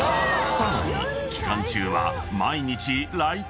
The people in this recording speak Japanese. ［さらに期間中は］